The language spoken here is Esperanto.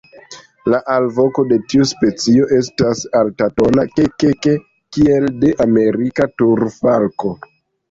La alvoko de tiu specio estas altatona "ke-ke-ke" kiel de Amerika turfalko.